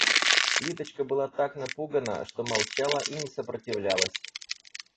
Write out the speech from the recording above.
Лидочка была так напугана, что молчала и не сопротивлялась.